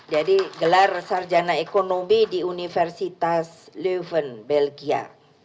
jadi gelar sarjana ekonomi di universitas leuven belgia